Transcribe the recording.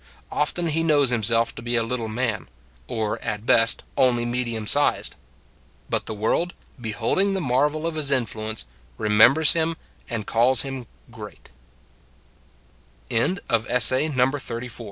Often he knows himself to be a little man; or, at best, only medium sized. But the world, beholding the marvel of his influence, remembers him and calls him great.